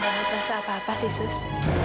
sudah tidak merasa apa apa sus